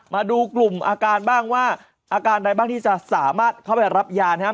มาดูกลุ่มอาการบ้างว่าอาการใดบ้างที่จะสามารถเข้าไปรับยานะครับ